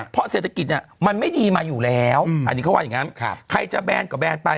เพราะเศรษฐกิจเนี่ยมันไม่ดีมาอยู่แล้วอันนี้เขาว่าอย่างนั้นใครจะแบนก็แบนไป